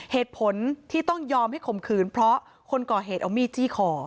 เหตุผลที่ต้องยอมให้ข่มขืนเพราะคนก่อเหตุเอามีดจี้คอ